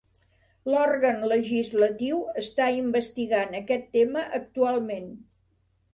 L"òrgan legislatiu està investigant aquest tema actualment.